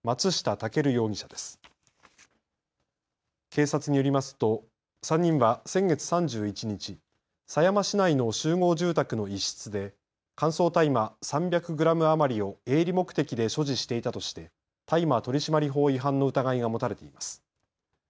警察によりますと３人は先月３１日、狭山市内の集合住宅の一室で乾燥大麻３００グラム余りを営利目的で所持していたとして大麻取締法違反の疑いが持たれています。